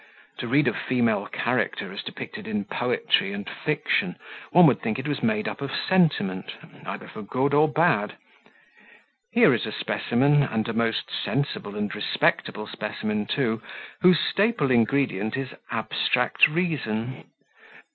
To read of female character as depicted in Poetry and Fiction, one would think it was made up of sentiment, either for good or bad here is a specimen, and a most sensible and respectable specimen, too, whose staple ingredient is abstract reason.